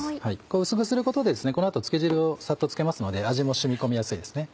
薄くすることでですねこの後漬け汁サッと漬けますので味も染み込みやすいですね。